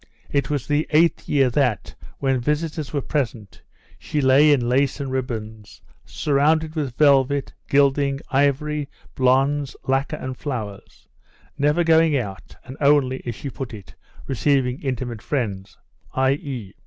It was the eighth year that, when visitors were present, she lay in lace and ribbons, surrounded with velvet, gilding, ivory, bronze, lacquer and flowers, never going out, and only, as she put it, receiving intimate friends, i.e.